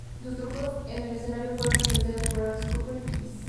Sus trucos en el escenario fueron influenciados por Alice Cooper y Kiss.